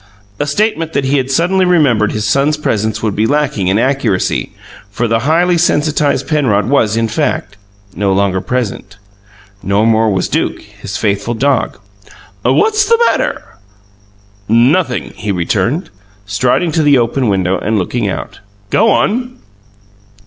A statement that he had suddenly remembered his son's presence would be lacking in accuracy, for the highly sensitized Penrod was, in fact, no longer present. No more was Duke, his faithful dog. "What's the matter?" "Nothing," he returned, striding to the open window and looking out. "Go on."